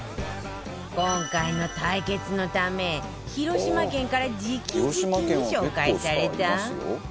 今回の対決のため広島県から直々に紹介された